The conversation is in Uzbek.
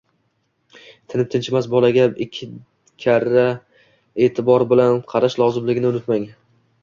tinib-tinchimas bolaga ikki karra eʼtibor bilan qarash lozimligini unutmang.